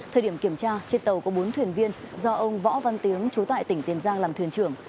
thời điểm kiểm tra trên tàu có bốn thuyền viên do ông võ văn tiếng trú tại tỉnh tiền giang làm thuyền trưởng